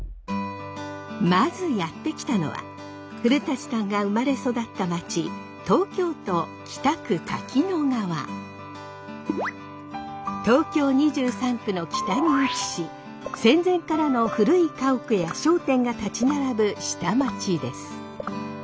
まずやって来たのは古さんが生まれ育った町東京２３区の北に位置し戦前からの古い家屋や商店が立ち並ぶ下町です。